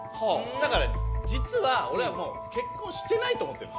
だから実は俺はもう結婚してないと思ってるんです。